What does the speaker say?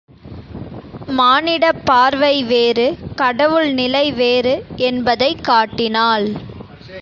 மானிடப் பார்வை வேறு கடவுள் நிலைவேறு என்பதைக் காட்டினாள்.